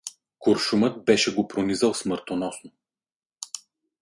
Куршумът беше го пронизал смъртоносно.